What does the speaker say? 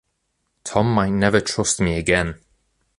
Tom might never trust me again.